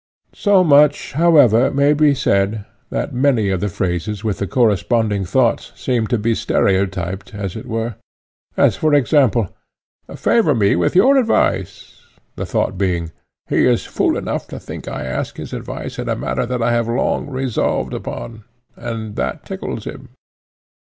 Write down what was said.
So much, however, may be said, that many of the phrases with the corresponding thoughts seemed to be stereotyped as it were; as for example, "Favour me with your advice;" the thought being, "He is fool enough to think I ask his advice in a matter that I have long since resolved upon, and that tickles him."